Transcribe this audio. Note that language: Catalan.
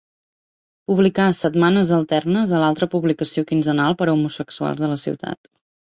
Publicà setmanes alternes a l'altra publicació quinzenal per a homosexuals de la ciutat.